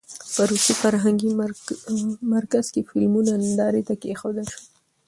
په روسي فرهنګي مرکز کې فلمونه نندارې ته کېښودل شول.